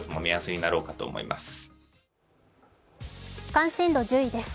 関心度１０位です。